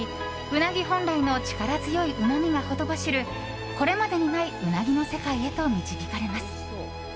うなぎ本来の力強いうまみがほとばしるこれまでにないうなぎの世界へと導かれます。